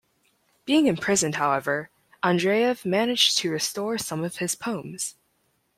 Being imprisoned, however, Andreev managed to restore some of his poems.